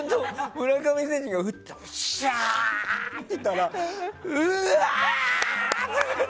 村上選手が打ってしゃー！って言ったらうわーん！